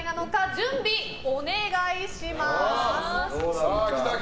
準備、お願いします。